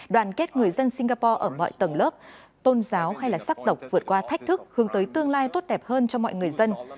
đoàn kết người dân singapore ở mọi tầng lớp tôn giáo hay là sắc độc vượt qua thách thức hướng tới tương lai tốt đẹp hơn cho mọi người dân